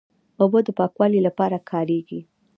اوبه د پاکوالي لپاره کارېږي.